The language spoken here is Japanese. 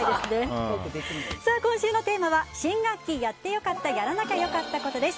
今週のテーマは新学期やってよかった・やらなきゃよかったコトです。